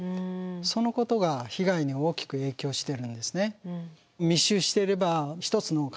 そのことが被害に大きく影響してるんですね。